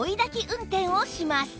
運転をします